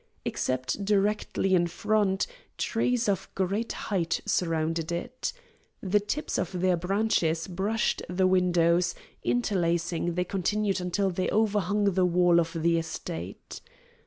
Except directly in front, trees of great height surrounded it. The tips of their branches brushed the windows; interlacing, they continued until they overhung the wall of the estate.